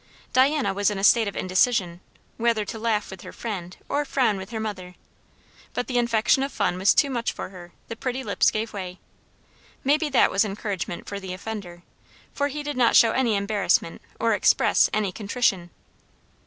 Diana was in a state of indecision, whether to laugh with her friend or frown with her mother; but the infection of fun was too much for her the pretty lips gave way. Maybe that was encouragement for the offender; for he did not show any embarrassment or express any contrition.